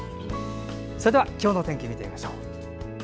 それでは今日の天気を見てみましょう。